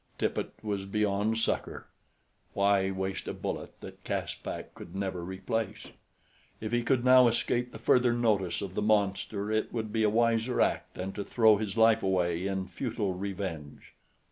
Tippet was beyond succor why waste a bullet that Caspak could never replace? If he could now escape the further notice of the monster it would be a wiser act than to throw his life away in futile revenge.